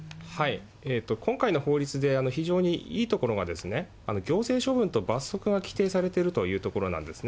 今回の法律で非常にいいところは、行政処分と罰則が規定されているというところなんですね。